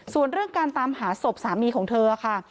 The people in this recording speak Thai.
ส่วนเรื่องการตามหาศพสามีของเธอค่ะ